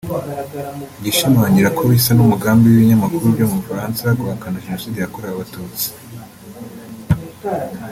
Igishimangira ko bisa n’umugambi w’ibinyamakuru byo mu Bufaransa guhakana Jenoside yakorewe Abatutsi